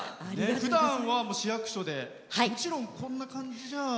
ふだんは市役所でもちろん、こんな感じじゃ。